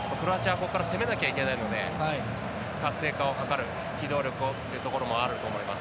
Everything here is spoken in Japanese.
ここから攻めなきゃいけないんで活性化を図る機動力をというのもあると思います。